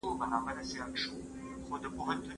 فساد مه کوئ ځکه الله یې نه خوښوي.